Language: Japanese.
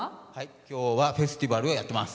今日はフェスティバルをやってます。